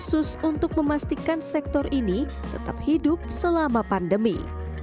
sehingga mereka tidak bisa berpengalaman untuk berpengalaman untuk berpengalaman